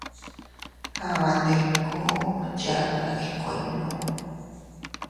Aaban ndikuu yaanna ikuuinnu.